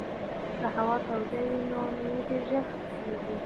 که هوا توده وي نو مېوې ډېرې ژر پخېږي.